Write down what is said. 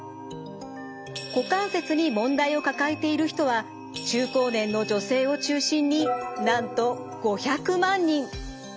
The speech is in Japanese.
股関節に問題を抱えている人は中高年の女性を中心になんと５００万人。